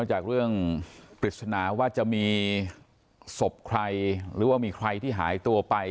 จากเรื่องปริศนาว่าจะมีศพใครหรือว่ามีใครที่หายตัวไป